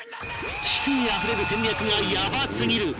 知性あふれる戦略がヤバすぎる！